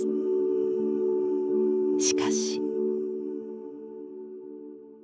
しかし。